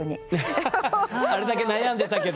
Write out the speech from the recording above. ハハハあれだけ悩んでたけど。